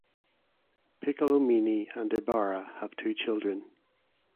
Piccolomini and Ibarra have two children.